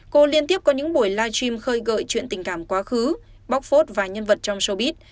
cô liên tiếp có những buổi live stream khơi gợi chuyện tình cảm quá khứ bóc phốt và nhân vật trong sobit